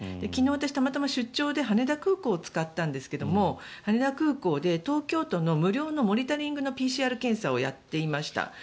昨日、私たまたま、出張で羽田空港を使ったんですが羽田空港で東京都の無料のモニタリングのＰＣＲ検査をやっていました。